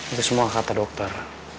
itu semua kata dokter